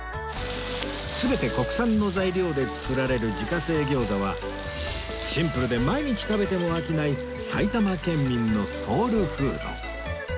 全て国産の材料で作られる自家製ギョーザはシンプルで毎日食べても飽きない埼玉県民のソウルフード